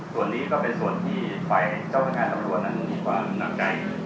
ส่วนนี้ก็เป็นส่วนที่ฝ่ายเจ้าพนักงานตำรวจนั้นมีความหนักใจ